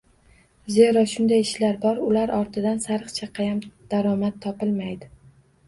Zero, shunday ishlar bor, ular ortidan sariq chaqayam daromad topilmaydi